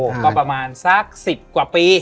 โอ้โหประมาณสัก๑๐กว่าปี